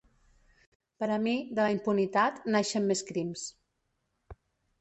Per a mi, de la impunitat, naixen més crims.